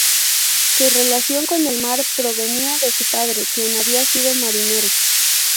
Su relación con el mar provenía de su padre, quien había sido marinero.